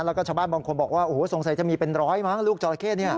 แล้วก็ชาวบ้านบอกว่าซงสัยจะมีเป็นร้อยไหมลูกจราเข้น